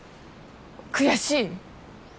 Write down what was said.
悔しい？